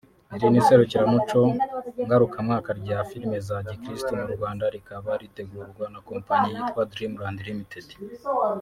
Iri ni iserukiramuco ngarukamwaka rya filime za gikristu mu Rwanda rikaba ritegurwa na company yitwa Dreamland Ltd